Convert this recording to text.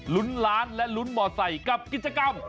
ลุ้นล้านและลุ้นมอไซค์กับกิจกรรม